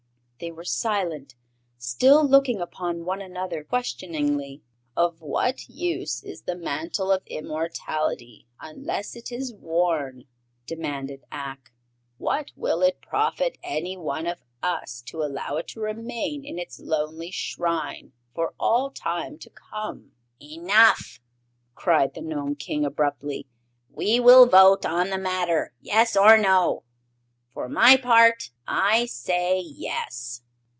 They were silent, still looking upon one another questioningly. "Of what use is the Mantle of Immortality unless it is worn?" demanded Ak. "What will it profit any one of us to allow it to remain in its lonely shrine for all time to come?" "Enough!" cried the Gnome King, abruptly. "We will vote on the matter, yes or no. For my part, I say yes!"